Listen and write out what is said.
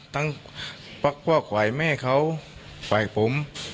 ตั้งพ่อไขว้แม่เขาไปกับผม